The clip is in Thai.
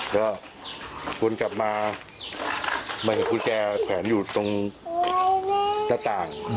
ก็วนกลับมาไม่เห็นกุญแจแขวนอยู่ตรงหน้าต่าง